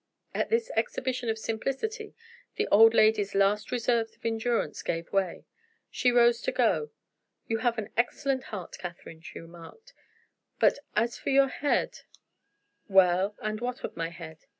At this exhibition of simplicity, the old lady's last reserves of endurance gave way: she rose to go. "You have an excellent heart, Catherine," she remarked; "but as for your head " "Well, and what of my head?"